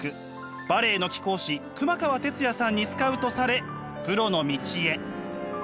バレエの貴公子熊川哲也さんにスカウトされプロの道へ。